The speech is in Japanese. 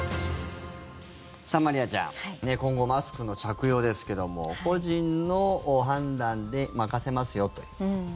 さあ、まりあちゃん今後マスクの着用ですけども個人の判断で任せますよという。